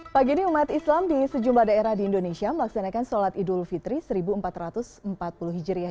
pagi ini umat islam di sejumlah daerah di indonesia melaksanakan sholat idul fitri seribu empat ratus empat puluh hijriah